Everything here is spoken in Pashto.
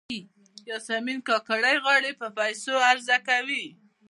یاسمین کاکړۍ غاړې په پیسو عرضه کوي.